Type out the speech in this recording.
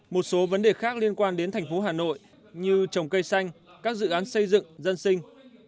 một số vấn đề khác liên quan đến thành phố hà nội như trồng cây xanh các dự án xây dựng dân sinh